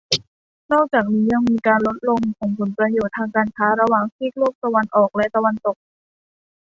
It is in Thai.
นอกจากนี้ยังมีการลดลงของผลประโยชน์ทางการค้าระหว่างซีกโลกตะวันออกและตะวันตก